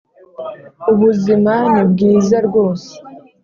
Ubuzima ni bwiza rwose